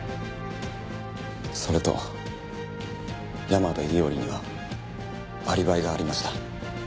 それと山辺伊織にはアリバイがありました。